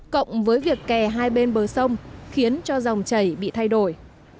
cộng với việc kè hai bên bờ sông khiến cho dòng chảy bị thay đổi